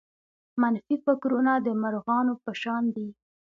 منفي فکرونه د مرغانو په شان دي.